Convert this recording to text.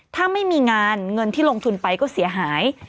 ถ้าไม่มีงานเงินที่ลงทุนไปก็เสียหาย